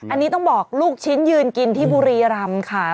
อันนี้ต้องบอกลูกชิ้นยืนกินที่บุรีรำค่ะ